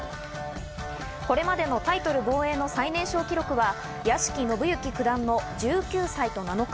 これまでのタイトル防衛の最年少記録は屋敷伸之九段の１９歳と７日。